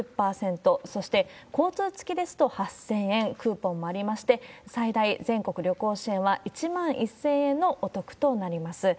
そして、交通付きですと８０００円クーポンもありまして、最大、全国旅行支援は１万１０００円のお得となります。